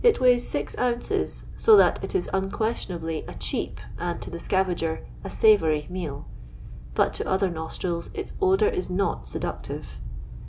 It weighs six ounces, so that it is unquestionably a cheap, and, to the scavager, a savoury meal; but to other nostrils its odour is not seductive.